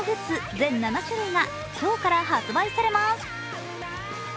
全７種類が今日から発売されます。